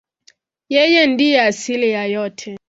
Yeye ndiye asili ya yote.